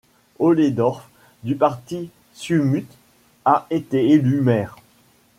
Ole Dorph, du parti Siumut, a été élu maire.